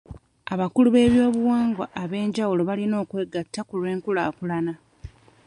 Abakulu b'ebyobuwangwa eb'enjawulo balina okwegatta ku lw'enkulaakulana.